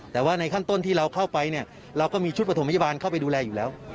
แต่ว่าในขั้นต้นที่เราเข้าไปเนี่ยเราก็มีชุดประถมพยาบาลเข้าไปดูแลอยู่แล้ว